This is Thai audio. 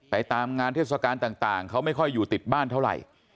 ตามงานเทศกาลต่างเขาไม่ค่อยอยู่ติดบ้านเท่าไหร่